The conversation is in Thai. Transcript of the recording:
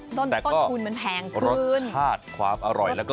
แต่ก็รสชาติความอร่อยแล้วก็ความอิ่มต้นต้นคุณมันแพงขึ้น